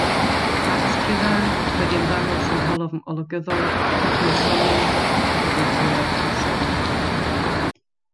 Mae'r ysgrifau wedi ymddangos yng ngholofn olygyddol wythnosolyn y Bedyddwyr, Seren Cymru.